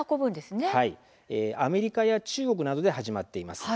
アメリカや中国などで始まっています。